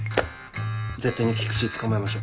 絶対に菊池捕まえましょう。